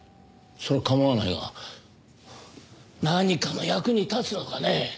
そりゃ構わないが何かの役に立つのかね？